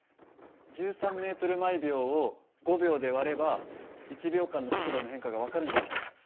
１３ｍ／ｓを５秒で割れば１秒間の速度の変化が分かるんじゃない？